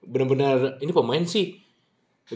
bener bener ini pemain sih